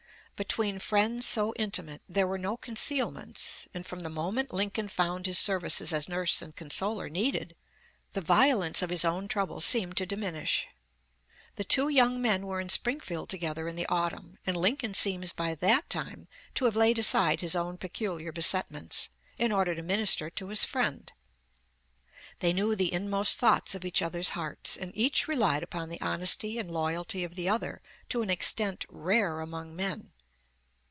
Between friends so intimate there were no concealments, and from the moment Lincoln found his services as nurse and consoler needed, the violence of his own trouble seemed to diminish. The two young men were in Springfield together in the autumn, and Lincoln seems by that time to have laid aside his own peculiar besetments, in order to minister to his friend. They knew the inmost thoughts of each other's hearts and each relied upon the honesty and loyalty of the other to an extent rare among men.